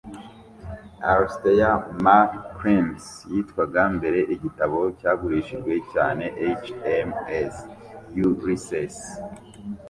Alistair Macleans yitwaga mbere igitabo cyagurishijwe cyane HMS Ulysses